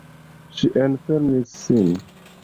Ŝi enfermis sin.